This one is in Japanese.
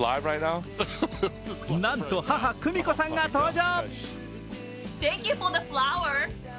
なんと、母・久美子さんが登場。